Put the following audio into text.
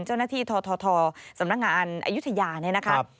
เจ้าหน้าที่ททสำนักงานอายุทยาเนี่ยนะครับ